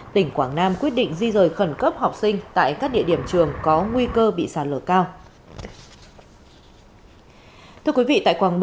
tỉnh quảng nam quyết định di rời khẩn cấp học sinh tại các địa điểm trường có nguy cơ bị sạt lở cao